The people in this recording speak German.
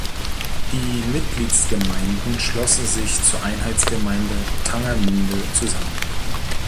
Die Mitgliedsgemeinden schlossen sich zur Einheitsgemeinde Tangermünde zusammen.